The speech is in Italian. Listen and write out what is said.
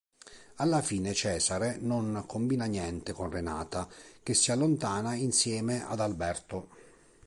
Alla fine Cesare non combina niente con Renata, che si allontana insieme ad Alberto.